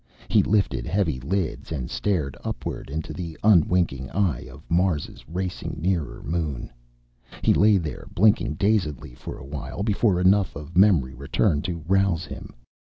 He lifted heavy lids and stared upward into the unwinking eye of Mars' racing nearer moon. He lay there blinking dazedly for a while before enough of memory returned to rouse him.